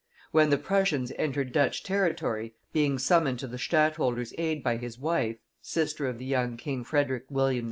When the Prussians entered Dutch territory, being summoned to the stadtholder's aid by his wife, sister of the young King Frederick William II.